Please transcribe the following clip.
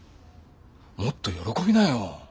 もっと喜びなよ。